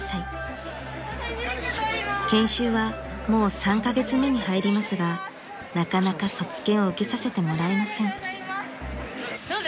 ［研修はもう３カ月目に入りますがなかなか卒検を受けさせてもらえません］